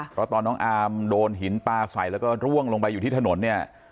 เพราะตอนน้องอามโดนหินปลาใส่แล้วก็ร่วงลงไปอยู่ที่ถนนเนี่ย